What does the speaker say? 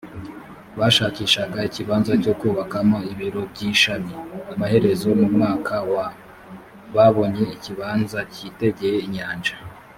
bashakishaga ikibanza cyo kubakamo ibiro by ishami amaherezo mu mwaka wa babonye ikibanza cyitegeye inyanja